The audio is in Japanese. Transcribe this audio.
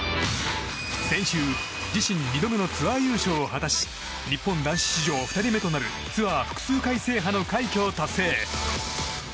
先週、自身２度目のツアー優勝を果たし日本男子史上２人目となるツアー複数回制覇の快挙を達成。